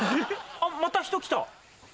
あっまた人来た。